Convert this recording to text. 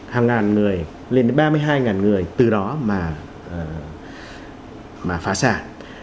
hàng ngàn người lên đến ba mươi hai người từ đó mà phá sản